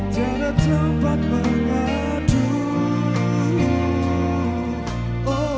tidak ada tempat mengadu